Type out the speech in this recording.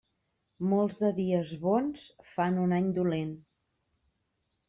Molts de dies bons fan un any dolent.